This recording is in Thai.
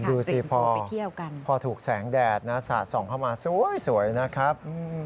ดูสิพอถูกแสงแดดนะสาดส่องเข้ามาสวยนะครับ